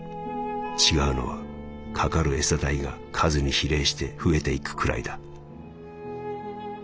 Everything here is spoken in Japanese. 違うのはかかる餌代が数に比例して増えていくくらいだ。